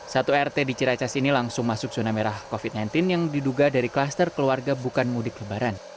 satu rt di ciracas ini langsung masuk zona merah covid sembilan belas yang diduga dari kluster keluarga bukan mudik lebaran